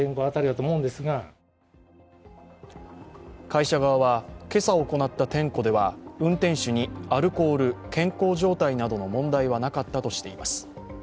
会社側は今朝行った点呼では運転手にアルコール、健康状態などの問題はなかったとしています。